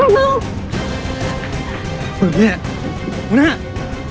นึง